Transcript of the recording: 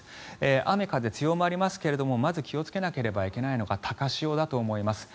雨風強まりますが、まず気をつけなければいけないのが高潮だと思います。